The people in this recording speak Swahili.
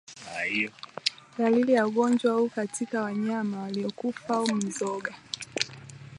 Dalili ya ugonjwa huu katika wanyama waliokufa au mizoga